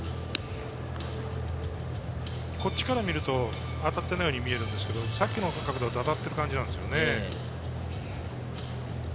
こっちから見ると当たっていないように見えるんですけど、さっきの角度だと当たっている感じなんですよね。